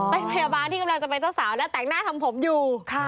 เป็นพยาบาลที่กำลังจะเป็นเจ้าสาวและแต่งหน้าทำผมอยู่